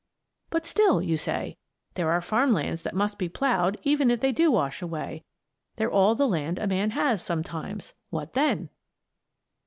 "But still," you say, "there are farm lands that must be ploughed even if they do wash away; they're all the land a man has, sometimes. What then?"